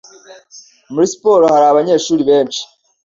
Muri siporo hari abanyeshuri benshi.